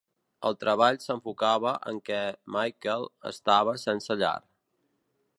El treball s'enfocava en que Michael estava sense llar.